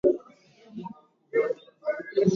Uganda ilikusanya dola milioni arubaini